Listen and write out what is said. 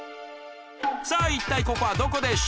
さあ一体ここはどこでしょう？